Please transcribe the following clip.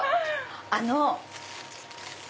あの。